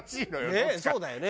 ねえそうだよね。